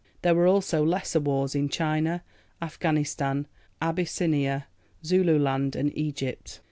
There were also lesser wars in China, Afghanistan, Abyssinia, Zululand and Egypt.